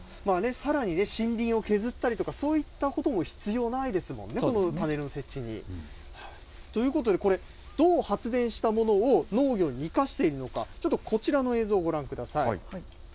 さらに森林を削ったりとか、そういったことも必要ないですもんね、このパネルの設置に。ということで、これ、どう発電したものを農業に生かしているのか、ちょっとこちらの映像、ご覧ください。